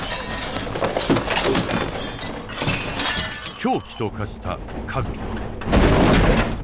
凶器と化した家具。